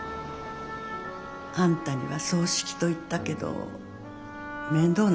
あんたには葬式と言ったけど面倒なことはしなくていい。